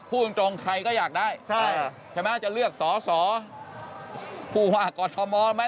พูดจริงใครก็อยากได้ใช่ใช่ไหมจะเลือกสสภูวะกธมศไหม